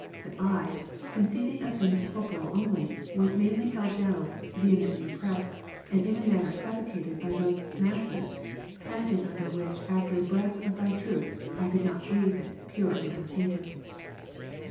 But I, conceiving of things corporeal only, was mainly held down, vehemently oppressed and in a manner suffocated by those " masses ^;" panting under which after the breath of Thy truth, I could not breathe it pure and untainted.